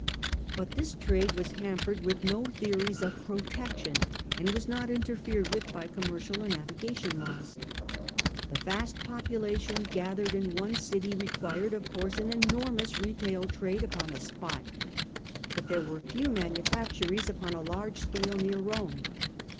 But this trade was hampered with no theories of pro tection, and was not interfered with by commercial or navi gation laws The vast population gathered in one city re quired, of course, an enormous retail trade upon the spot ; but there were few manufactories upon a large scale near Rome.